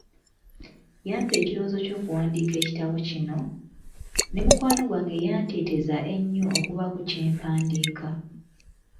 Yampa ekirowoozo ky'okuwandiika ekitabo kino, ne mukwano gwange eyanteetezanga ennyo okubaako kye mpandiika.